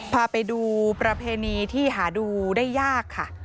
พาไปดูประเพณีที่หาดูได้ยากค่ะ